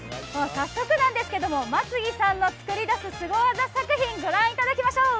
早速ですけれども、松木さんの作り出す、スゴ技作品御覧いただきましょう。